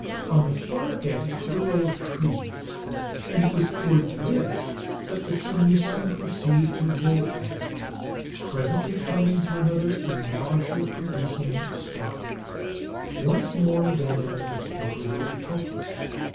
On the far edge was a row of trees, and it was toward this that the Sanusian proceeded to volplane, presently coming to another nausea producing stop. Once more Van Emmon was temporarily helpless.